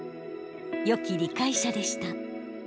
よき理解者でした。